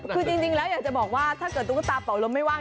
คือจริงแล้วอยากจะบอกว่าถ้าเกิดตุ๊กตาเป่าลมไม่ว่าง